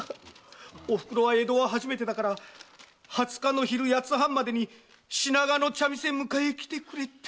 おふくろは「江戸は初めてだから二十日の昼八ツ半までに品川の茶店へ迎えに来てくれ」って。